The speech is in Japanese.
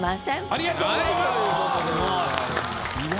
ありがとうございます。